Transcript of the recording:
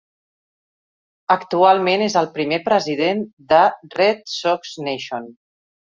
Actualment és el primer president de Red Sox Nation.